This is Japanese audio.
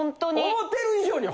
思ってる以上に。